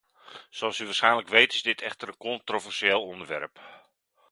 Zoals u waarschijnlijk weet is dit echter een controversieel onderwerp.